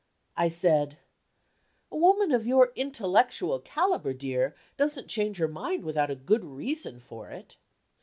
I said: "A woman of your intellectual caliber, dear, doesn't change her mind without a good reason for it."